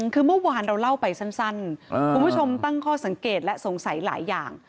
คือเมื่อวานเราเล่าไปสั้นคุณผู้ชมตั้งข้อสังเกตและสงสัยหลายอย่าง